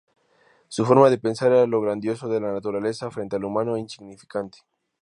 Su forma de pensar era lo "grandioso de la naturaleza frente al humano insignificante".